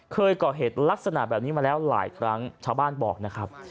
เคยก่อเหตุลักษณะแบบนี้มาแล้วหลายครั้งชาวบ้านบอกนะครับ